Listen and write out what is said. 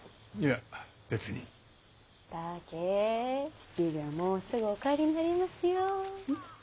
父上はもうすぐお帰りになりますよ。